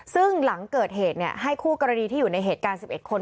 ซึ่งหลังเกิดเหตุให้คู่กรณีที่อยู่ในเหตุการณ์๑๑คน